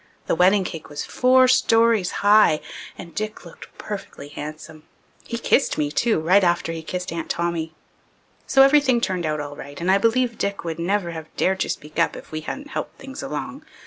The wedding cake was four stories high, and Dick looked perfectly handsome. He kissed me too, right after he kissed Aunt Tommy. So everything turned out all right, and I believe Dick would never have dared to speak up if we hadn't helped things along.